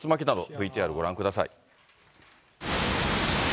ＶＴＲご覧ください。